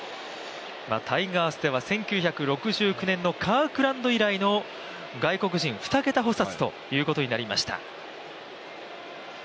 タイガースでは１９６９年のカークランド以来の外国人２桁補殺ということになりました。